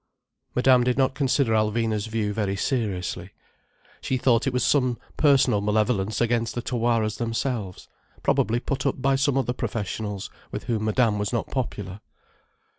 Madame did not consider Alvina's view very seriously. She thought it was some personal malevolence against the Tawaras themselves, probably put up by some other professionals, with whom Madame was not popular.